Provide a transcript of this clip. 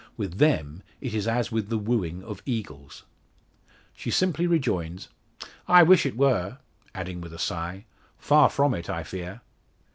With them it is as with the wooing of eagles. She simply rejoins: "I wish it were," adding with a sigh, "Far from it, I fear."